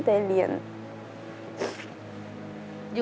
ขอบคุณครับ